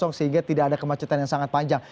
sehingga tidak ada kemacetan yang sangat panjang